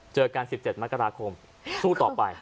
เจอกัน๑๗มกราคมสู้ต่อไป